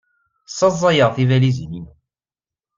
Ssaẓyeɣ tibalizin-inu.